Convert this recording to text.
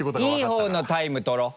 いい方のタイム取ろう。